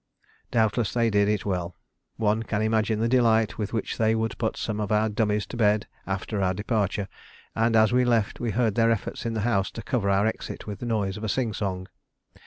Doubtless they did it well. One can imagine the delight with which they would put some of our dummies to bed after our departure, and as we left we heard their efforts in the house to cover our exit with the noise of a sing song.